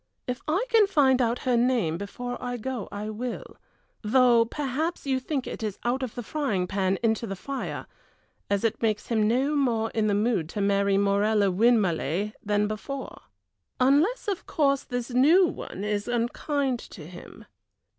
If I can find out her name before I go I will, though perhaps you think it is out of the frying pan into the fire, as it makes him no more in the mood to marry Morella Winmarleigh than before. Unless, of course, this new one is unkind to him.